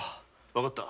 分かった。